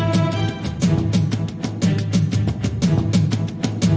พี่ดามก็ทไปนะครับ